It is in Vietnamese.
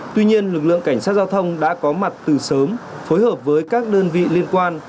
tuy nhiên lực lượng cảnh sát giao thông đã có mặt từ sớm phối hợp với các đơn vị liên quan